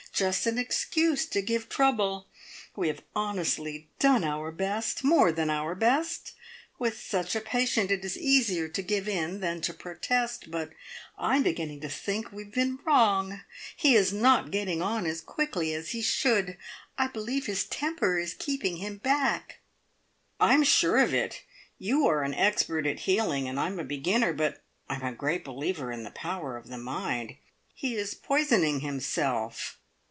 Just an excuse to give trouble. We have honestly done our best more than our best. With such a patient it is easier to give in than to protest, but I'm beginning to think we've been wrong. He is not getting on as quickly as he should. I believe his temper is keeping him back." "I'm sure of it! You are an expert at healing, and I'm a beginner, but I'm a great believer in the power of the mind. He is poisoning himself."